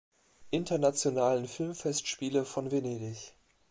Internationalen Filmfestspiele von Venedig.